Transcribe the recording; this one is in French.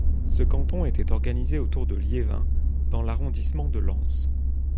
Ce canton était organisé autour de Liévin dans l'arrondissement de Lens.